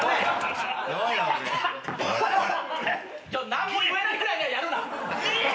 何も言えないくらいにはやるな！